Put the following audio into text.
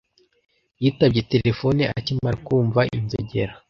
Yitabye terefone akimara kumva inzogera.